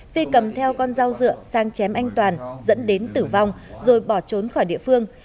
phi cầm theo con dao dựa sang chém anh toàn dẫn đến tử vong rồi bỏ trốn khỏi địa phương